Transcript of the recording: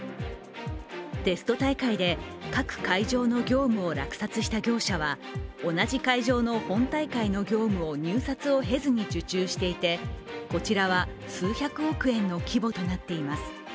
テスト大会で各会場の業務を落札した業務は同じ会場の本大会の業務を入札を経ずに受注していて、こちらは数百億円の規模となっています。